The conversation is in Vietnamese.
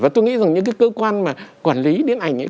và tôi nghĩ rằng những cái cơ quan quản lý điện ảnh ấy